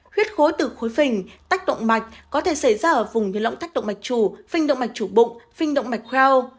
huyết khối từ khối phình tách động mạch có thể xảy ra ở vùng như lõng tách động mạch chủ phình động mạch chủ bụng phình động mạch khoeo